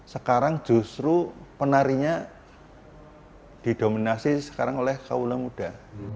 sekarang justru penarinya didominasi sekarang oleh kau ulamuda